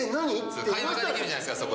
会話できるじゃないですか。